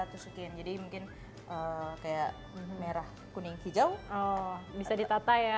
tusukin jadi mungkin kayak merah kuning hijau bisa ditata ya